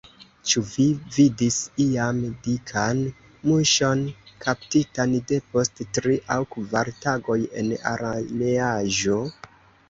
Ĉu vi vidis iam dikan muŝon kaptitan depost tri aŭ kvar tagoj en araneaĵo?